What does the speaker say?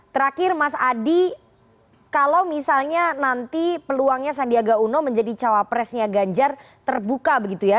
terakhir mas adi kalau misalnya nanti peluangnya sandiaga uno menjadi cawapresnya ganjar terbuka begitu ya